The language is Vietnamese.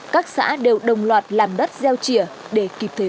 các xã đều đồng loạt làm đất gieo trìa để kịp thời vụ